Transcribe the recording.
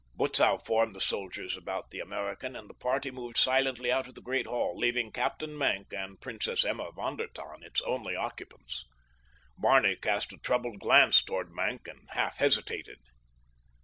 Butzow formed the soldiers about the American, and the party moved silently out of the great hall, leaving Captain Maenck and Princess Emma von der Tann its only occupants. Barney cast a troubled glance toward Maenck, and half hesitated.